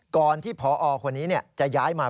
ก่อนที่พอคนนี้จะย้ายมา